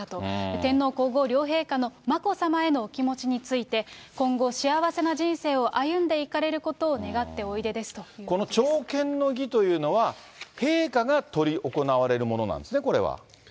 天皇皇后両陛下の眞子さまへのお気持ちについて、今後、幸せな人生を歩んでいかれることを願っておいでですということでこの朝見の儀というのは、陛下が執り行われるものなんですね、これは。